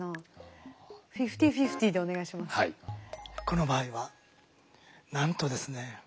この場合はなんとですね